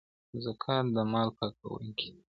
زکات د مال پاکوونکی دی.